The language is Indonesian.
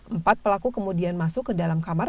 empat pelaku kemudian masuk ke dalam kamar